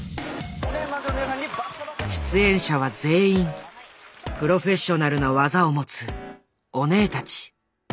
出演者は全員プロフェッショナルな技を持つオネエたち。